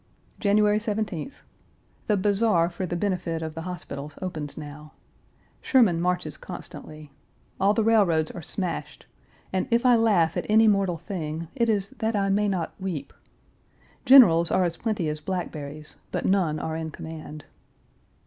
January 17th. The Bazaar for the benefit of the hospitals opens now. Sherman marches constantly. All the railroads are smashed, and if I laugh at any mortal thing it is that I may not weep. Generals are as plenty as blackberries, but none are in command.